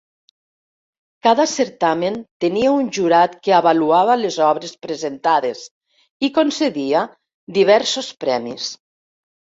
Cada certamen tenia un jurat que avaluava les obres presentades i concedia diversos premis.